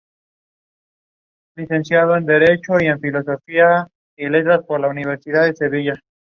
En este tiempo se realiza un mercado de productos del campo y artesanía.